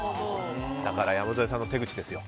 だから、山添さんの手口ですよ。